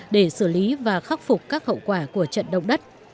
để xử lý và khắc phục các hậu quả của trận động đất